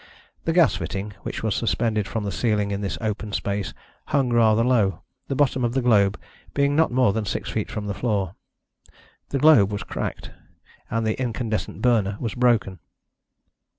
The gas fitting, which was suspended from the ceiling in this open space, hung rather low, the bottom of the globe being not more than six feet from the floor. The globe was cracked, and the incandescent burner was broken.